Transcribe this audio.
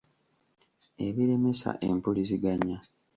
ebiremesa empulizigannya